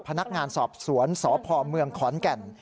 พนักงานสอบสวนสพเมืองขอนแก่น